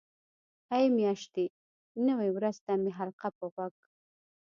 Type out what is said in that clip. ای میاشتې نوې وریځ ته مې حلقه په غوږ.